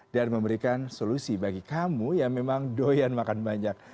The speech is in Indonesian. dan memberikan solusi bagi kamu yang memang doyan makan banyak